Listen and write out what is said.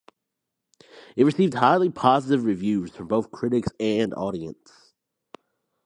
It received highly positive reviews from both critics and audience.